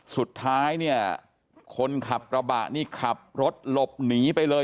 สุดท้ายเนี่ยคนขับกระบะนี่ขับรถหลบหนีไปเลย